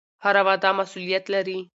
هره وعده مسوولیت لري